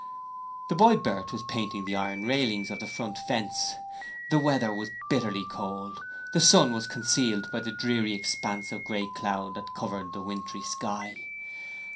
The boy Bert was painting the iron railings of the front fence. The weather was bitterly cold, the sun was concealed by the dreary expanse of grey cloud that covered the wintry sky.